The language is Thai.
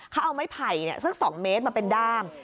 เขาเอาไม้ไผ่สัก๒เมตรมาเป็นด้าม